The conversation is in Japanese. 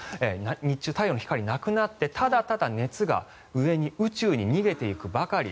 日中の太陽の光がなくなってただただ地面の熱が逃げていくばかり。